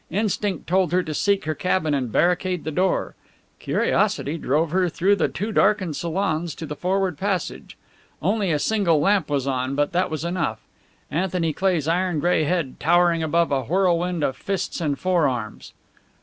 Instinct told her to seek her cabin and barricade the door; curiosity drove her through the two darkened salons to the forward passage. Only a single lamp was on, but that was enough. Anthony Cleigh's iron gray head towering above a whirlwind of fists and forearms!